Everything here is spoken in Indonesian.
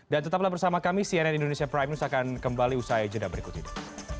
dan tetaplah bersama kami cnn indonesia prime news akan kembali usai jeda berikut ini